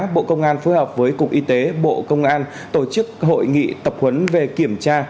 bộ công an phối hợp với cục y tế bộ công an tổ chức hội nghị tập huấn về kiểm tra